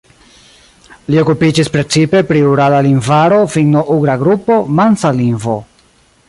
Li okupiĝis precipe pri Urala lingvaro, Finno-Ugra Grupo, Mansa lingvo.